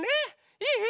いい？